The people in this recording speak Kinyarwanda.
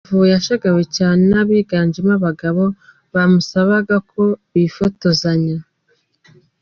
Yahavuye ashagawe cyane n’abiganjemo abagabo bamusabaga ko bifotozanya.